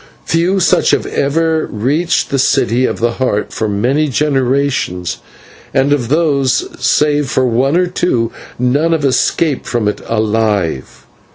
Few such have ever reached the City of the Heart for many generations, and of those, save for one or two, none have escaped from it alive.